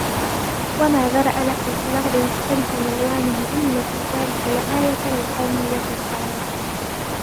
وَمَا ذَرَأَ لَكُمْ فِي الْأَرْضِ مُخْتَلِفًا أَلْوَانُهُ إِنَّ فِي ذَلِكَ لَآيَةً لِقَوْمٍ يَذَّكَّرُونَ